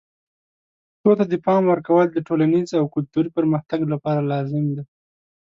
پښتو ته د پام ورکول د ټولنیز او کلتوري پرمختګ لپاره لازم دي.